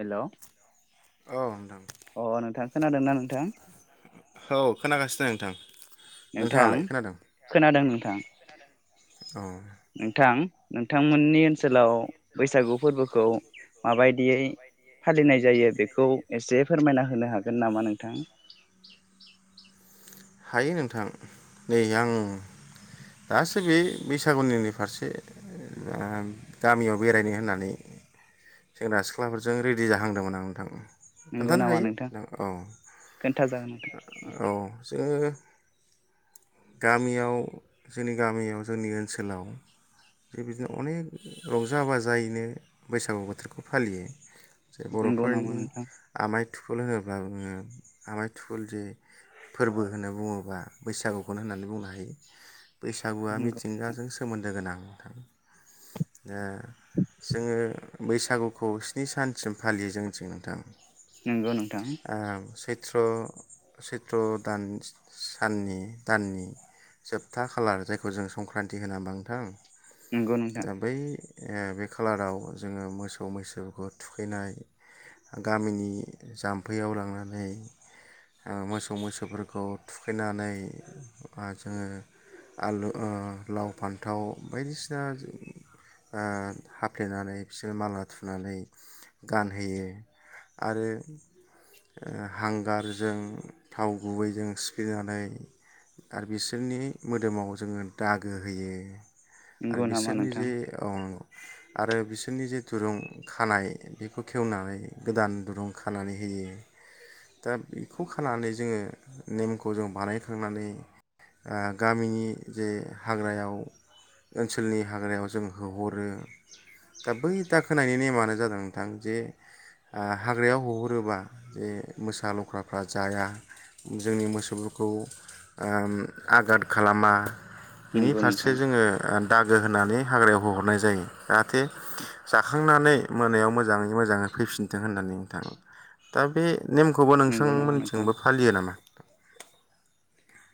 हेल औ नोंथां अ नोंथां खोनादोंना नोंथां? नोंथां खोनादों नों थां नोंथां नों थांमोननि ओनसोलाव बैसागु फोरबोखौ माबायदियै फालिनाय जायो बेखौ एसे फोरमायना होनो हागोन नामा नोंथां [inaudible] हायो नोंथां नै आं दासोबे बैसागुनिनि फारसे गामियाव बेरायनो होननानै सेंग्रा सिख्लाफोरजों रेडि जाहांदोंमोन आं नोंथां खोन्थानो हायो नों औ औ ङो गामियाव जोंनि गामियाव जोंनि ओनसोलाव बेबायदिनो अनेक रंजा बाजायैनो बैसागु बोथोरखौ फालियो जे बर'फोरनि आमाय थुफल होनोब्लाङो आमाइ थुफल जे फोरबो होनना बुङोबा बैसागु खौनो होननानै बुंनो हायो बैसागुआ मिथिंगाजों सोमोन्दो गोनां थां दा जोङो बैसागुखौ स्नि सानसिम फालियो जोंनिथिं नोंथां नंगौ नोंथां? त्र सैत्र दान साननि दाननि जोबथा खालार जायखौ जों संक्रान्ति होना होनबा नोंथां? जामफै ए बे खालाराव जोङो मोसौ मैसोखौ थुखैनाय गामिनि जाम्फैयाव लांनानै ओ मोसौ मैसौ सोफोरखौ थुखैनानै आ जोङो ओ आलु लाव फान्थाव बायदिसिना ओ हाफ्लेनानै बिसोर माला थुनानै गानहोयो आरो ओ हांगारजों थाव गुबैजों सिफेनानै आरो बिसोरनि मोदोमाव जोङो दागो होयो। आरो बिसोरनि जे औ आरो बिसोरनि जे दुरुं खानाय बेखौ खेवनानै गोदान दुरुं खानानै होयो। दा बेखौ खानानै जोङो नेमखौ जों बानायखांनानै ओ गामिनि जे हाग्रायाव ओनसोलनि हाग्रायाव जों होहरो दा बै दाग होनायनि नेमानो जादों थां जे ओ हाग्रायाव होहरोबा जे मोसा लख्राफ्रा जाया। जोंनि मोसौफोरखौ ओम आघाद खालामा बिनि फारसे जोङो दागो होनानै हाग्रायाव होहरनाय जायो जाहा थे जाखांनानै मोनायाव मोजाङै मोजाङै फैफिनथों होननानै नोंथां दा बे नेमखौबो नोंसांमोनथिंबो फालियो नामा?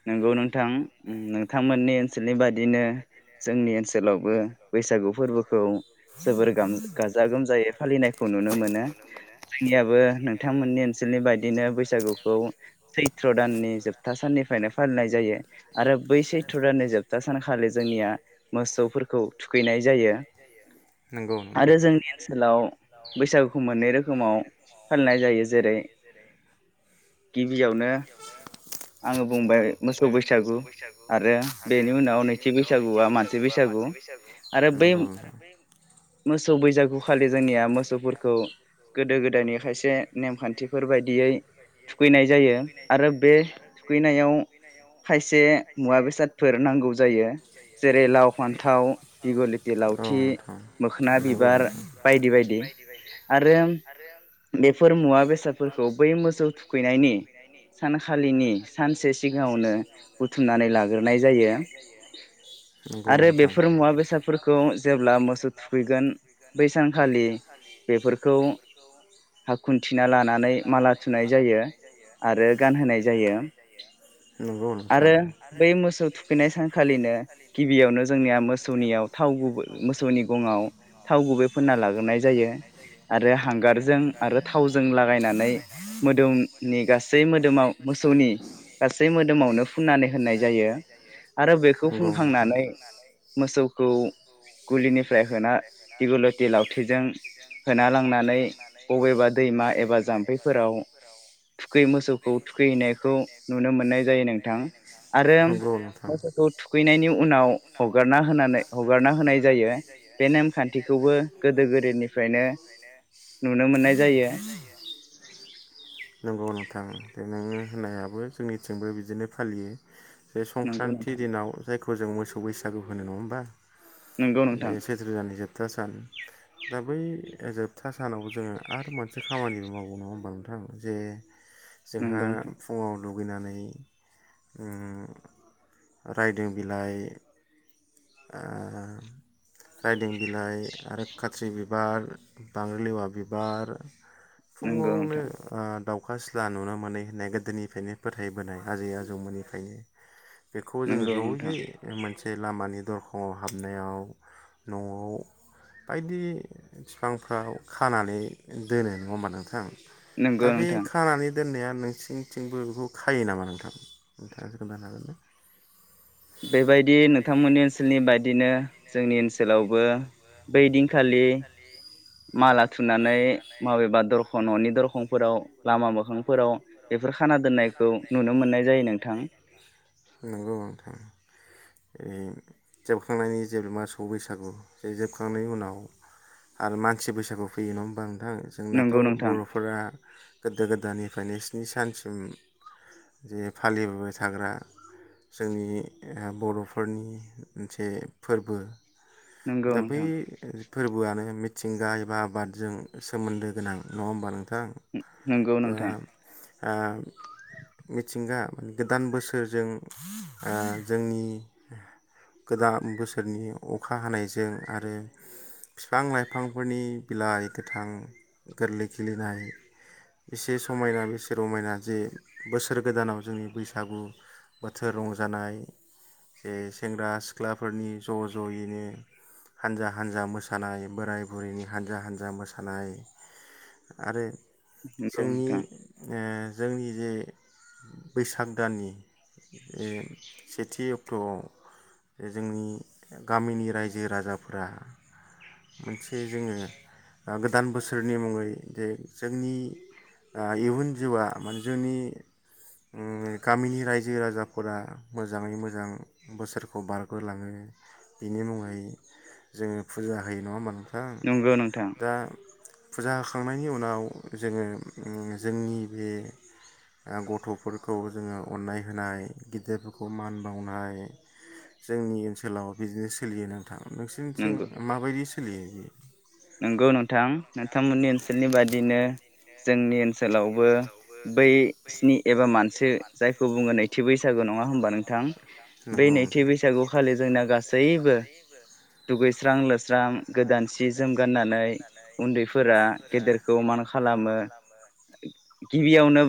नंगौ नोंथां उम नोंथांमोननि ओनसोलनि बादिनो जोंनि ओनसोलावबो बैसागु फोरबोखौ जोबोर गाम गाजा गोमजायै फालिनायखौ नुनो मोनो। जोंनियाबो नोंथांमोननि ओनसोलनि बायदिनो बैसागुखौ सैत्र दाननि जोबथा साननिफ्रायनो फालिनाय जायो आरो बै सैत्र दाननि जोबथा सानखालि जोंनिया मोसौफोरखौ थुखैनाय जायो। आरो जोंनि ओनसोलाव बैसागुखौ मोननै रोखोमाव फालिनाय जायो जेरै गिबियावनो आङो बुंबाय मोसौ बैसागु आरो बेनि उनाव नैथि बैसागुआ मानसि बैसागु आरो बै मोसौ बैसागु खालि जोंनिया मोसौफोरखौ गोदो गोदायनि खायसे नेमखान्थिफोर बायदियै थुखैनाय जायो आरो बे थुखैनायाव खायसे मुवा बेसादफोर नांगौ जायो जेरै लाव फान्थाव दिगु लिथि लावथि मोखोना बिबार बायदि बायदि आरो बेफोर मुवा बेसादफोरखौ बै मोसौ थुखैनायनि सानखालिनि सानसे सि सानसे सिगावनो बुथुमनानै लाबोनाय जायो नंगौ नोंथां आरो बेफोर मुवा बेसादफोरखौ जेब्ला मोसौ थुखैगोन बे सानखालि बेफोरखौ हाखुन्थिना लानानै माला थुनाय जायो आरो गानहोनाय जायो। आरो बै मोसौ थुखैनाय सानखालिनो गिबियावनो जोंनिया मोसौनियाव थाव गुबै मोसौनि गङाव थाव गुबै फोनना लाग्रोनाय जायो आरो हांगारजों आरो थावजों लागायनानै मोदोमनि गासै मोदोमाव मोसौनि गासै मोदोमावनो फुननानै होननाय जायो आरो बेखौ फुनखांनानै मोसौखौ गुलिनिफ्राय होना दिगुलथि लावथिजों होना लांनानै बबेबा दैमा एबा जाम्फैफोराव थुखैै मोसौखौ थुखैहैनायखौ नुनो मोनो। जायो नोंथां आरो मोसौखौ थुखैनायनि उनाव हगारना होनानै हगारना होनाय जायो बे नेमखान्थिखौबो गोदो गोदायनिफ्रायनो नुनो मोननाय जायो। थां बे नोङो होनायाबो जोंनिथिंबो बिदिनो फालियो जे संक्रान्ति दिनाव जाय खौ जों मोसौ बैसागु होनो नङा होमबा जे सैथ्र दाननि जोबथा सान दा बै जोबथा सानाव जोङो आरो मोनसे खामानिबो मावगौ नङा होमबा नोंथां जे जोंहा फुङाव दुगैनानै ओम रायदों बिलाइ आ रायदों बिलाइ आरो खाथ्रि बिबार बांग्र्रि लेवा बिबार फुङावनो ओ दाउ अखा सिला नुनो मोनै होननाय गोदोनिफ्रायनो फोथायबोनाय आजै आजौमोननिफ्रायनो बेखौ जोङो ज'यै मोनसे लामानि दरखंआव हाबनायाव न'आव बायदि बिफांफ्राव खानानै दोनो नङा होमबा नोंथां दा बे खानानै दोननाया नोंसिंथिंबो बेखौ खायो नामा नोंथां नोंथाङसो खोन्थानो हागोनना बेबायदि नोंथांमोननिस ओनसोलनि बायदिनो जोंनि ओनसोलाव बो बैदिनखालि नोंगौ नोंथां ओय जोबखांनायनि जेब्ला मासौ बैसागु बे जोबखांनायनि उनाव आरो मानसि बैसागु फैयो नवाहोमबा नो नोंथां जोंनाथ' बर'फोरा गोदो गोदायनिफ्रायनो स्नि सानसिम जे फालिबाय थाग्रा जोंनि बर'फोरनि मोनसे फोरबो दा बै फोरबोआनो मि मिथिंगा एबा आबादजों सोमोन्दो गोनां नङा होमबा नों थां जोंहा आ मिथिंगा गोदान बोसोरजों ओ जोंनि गोदान बोसोरनि अखा हानायजों आरो बिफां लाइफांफोरनि बिलाइ गोथां गोरलै खिलिनाय बेसे समायना बेसे रमायना जे बोसोर गोदानाव जोंनि बैसागु बोथोर रंजानाय जे सेंग्रा सिख्लाफोरनि ज' ज'यैनो हानजा हानजा मोसानाय बोराय बुरैनि हानजा हानजा मोसानाय आरो जोंनि ओ जोंनि जे बैसाग दाननि ए सेथि अक्ट'आव जोंनि गामिनि रायजो राजाफोरा मोनसे गोदान बोसोरनि मुङै जे जोंनि इयुन जिउआ मान जोंनि गामिनि रायजो राजाफोरा मोजाङै मोजां बोसोरखौ बारग'लाङो बिनि मुङै जोङो फुजा होयो नङा होमा नोंथा नंगौ नोंथां फुजा होखांनायनि उनाव जोङो जोंनि बे गथ'फोरखौ जोङो अननाय होनाय गिदिरफोरखौ मान बावनाय जोंनि ओनसोलाव बिदिनो सोलियो नोंथां। नोंसोरनिथिं माबायदि सोलियो बि नंगौ नोंथां नोंथांमोननि ओनसोलनि बादिनो। जोंनि ओन सोलावबो बै स्नि एबा मानसो जायखौ बुङो नैथि बैसागु नङा होमबा नोंथां बै नैथि बैसागु खालि जोंना गासैबो दुगैस्रां लोबस्रां गोदान सि जोम गाननानै उन्दैफोरा गेदेरखौ मान खालामो। गिबियावनो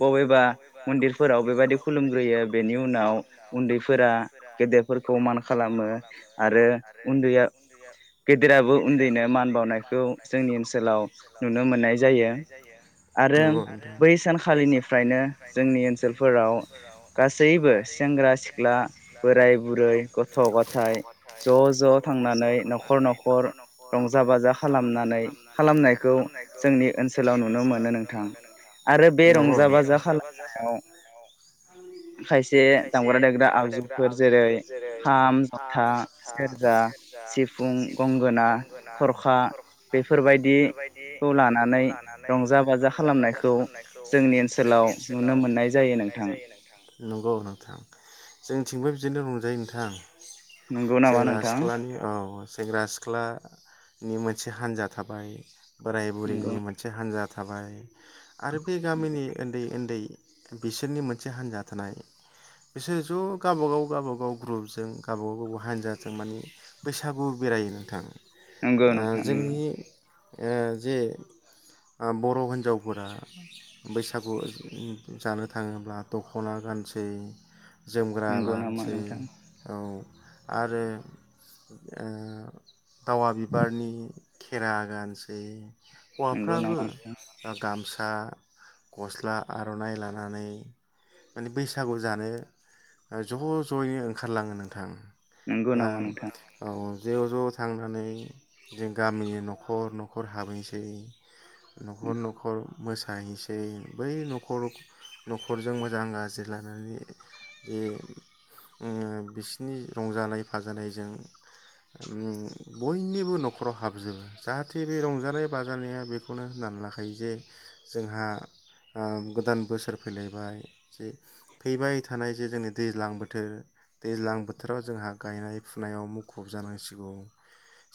बबेबा मन्दिरफोराव बेबायदि खुलुमग्रोयो बेनि उनाव उन्दैफोरा गेदेरफोरखौ मान खालामो आरो उन्दैया गे देराबो उन्दैनो मान बावनायखौ जोंनि ओनसोलाव नुनो मोननाय जायो। आरो बै सानखालिनिफ्रायनो जोंनि ओनसोलफोराव गासैबो सेंग्रा सिख्ला बोराय बुरै गथ' गथाय ज' ज' थांनानै न'खर न'ख अर रंजा बाजा खालामनानै खालामनायखौ जोंनि ओनसोलाव नुनो सोलाव नुनो मोनो नोंथां बे रंजा बाजा खालामनायाव खायसे दामग्रा देग्रा आगजुफोर जेरै खाम, जथा, सेरजा, सि गंगोना, थरखा बेफोरबायदि खौ लानानै रंज रंजा बाजा खालामनायखौ जोंनि ओनसोलाव नुनो मोननाय जायो नोंथां थिंबो बिदिनो रंजायो नोंथां। सेंग्रा सिख्लानि औ। सेंग्रा सिख्ला नि मोनसे हान्जा थाबाय बोराय बुरैनि मोनसे हानजा थाबाय आरो बे गामिनि ओन्दै ओन्दै बिसोरनि मोनसे हानजा थानाय बिसोरो ज' गावबागाव गावबागाव ग्रुपजों गावबागाव गावबाव हानजाजों माने बैसागु बेरायो नोंथां। नोंगौ नोंथां नोंगौ। ओ जे ओ बर' हिनजावफोरा बैसागु जानो थाङोब्ला दख'ना गानसै जोमग्रा लानोसै औ। आरो ओ दावा बिबारनि खेरा गानसै नोंगौ नामा नोंथां? ओ गामसा गस्ला आर'नाइ लानानै माने बैसागु जानो ज' ज'यैनो ओंखारलाङो नोंथां। दा औ। जेव ज' थांनानै जों गामिनि न'खर न'खर हाबयैनोसै। न'खर न'खर। मोसाहैसै बै न'खर न'खरजों मोजां गाज्रि रायलानानै जे उम बिसिनि रंजानाय फाजानायजों उम बयनिबो न'खराव हाबजोबो जाहाथे बे रंजानाय बाजानाया बेखौनो होननानै लाखायो जे जोंहा ओ गोदान बोसोर फैलायबाय जे फैबाय थानाय जे जोंनि दैज्लां बोथोर दैज्लां बोथोराव जोंहा गायनाय फुनायाव मुखुब जानांसिगौ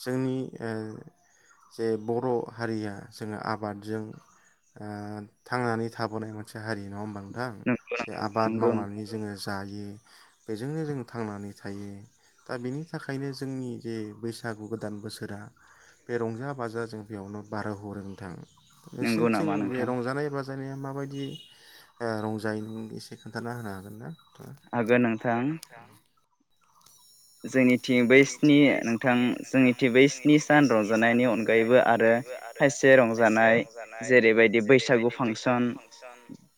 जोंनि ओ जे बर' हारिया जोङो आबादजों ओ थांनानै थाबोनाय मोनसे हारि नङा होनबा नों नोंथां जे आबाद मावनानै जोङो जायो बेजोंनो जों थांनानै थायो दा बेनि थाखायनो जोंनि जे बैसागु गोदान बोसोरा बे रंजा बाजा जों बेयावनो बार हरो नोंथां नोंसिंनिथिं बे रंजानाय बाजा रंजानाया माबायदि ओ रंजायो एसे खोन्थाना होनो हागोन ना? हागोन नोंथां। जोंनि बै स्नि नोंथां जोंनिथि बै स्नि सान रंजानायनि अनगायैबो आरो खायसे रंजानाय जेरैबायदि बैसागु फांसन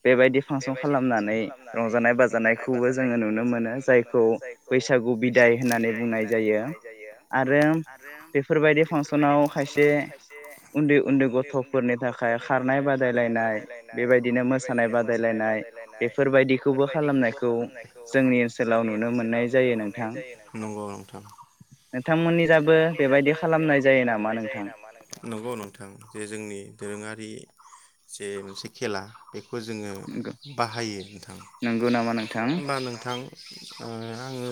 बेबायदि फांसन खालामनानै रंजानाय बाजानायखौबो जोङो नुनो मोनो जायखौ बैसागु बि होननानै बिदाय होननानै बुंनाय जायो आरो बेफोरबायदि फांसनाव खायसे उन्दै-उन्दै गथ'फोरनि थाखाय खारनाय बादायलायनाय बेबायदिनो मोसानाय बादायलायनाय बेफोरबायदिखौबो खालामनायखौ जोंनि ओनसोलाव नुनो मोननाय जायो नों नंगौ नोंथां नोंथांमोननि दाबो बेबायदि खालामनाय जायो नामा नोंथां नंगौ नोंथां जे जोंनि दोरोंङारि बे जे मोनसे खेला बेखौ जोङो बाहायो नोंथां ओमबा नोंथां ओ आङो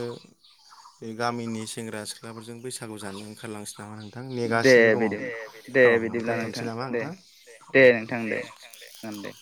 बे गामिनि सेंग्रा सिख्लाफोरजों बैसागु जानो ओंखारलांनोसै नामा नों दे बिदिब्ला दे बिदिब्ला नोंथां दे दे नोंथां दे जागोन दे [inaudible]